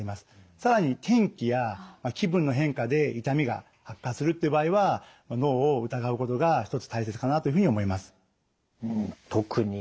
更に天気や気分の変化で痛みが悪化するっていう場合は脳を疑うことが一つ大切かなというふうに思います。